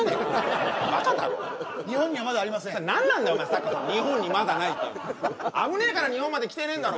さっきから日本にまだないっていうの危ねえから日本まで来てねえんだろ